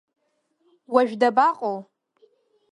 Уажә дабаҟоу?